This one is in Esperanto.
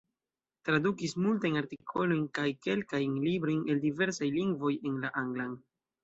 Tradukis multajn artikolojn kaj kelkajn librojn el diversaj lingvoj en la anglan.